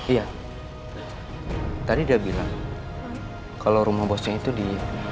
iya tadi dia bilang kalau rumah bosnya itu di